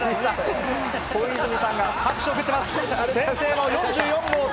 小泉さんが拍手を送っています。